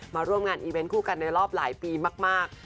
มาร่วมงานอีเวนต์คู่กันในรอบหลายปีมาก